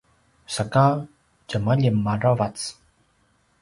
saka djemalim aravac